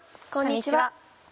こんにちは。